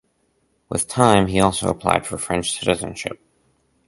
With time he also applied for French citizenship.